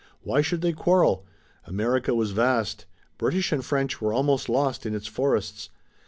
Why should they quarrel? America was vast. British and French were almost lost in its forests.